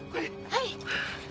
はい。